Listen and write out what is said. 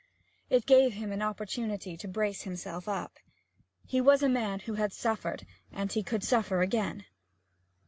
It gave him an opportunity to brace himself up. He was a man who had suffered, and he could suffer again.